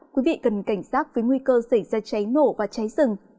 quý vị cần cảnh sát với nguy cơ xảy ra cháy nổ và cháy sừng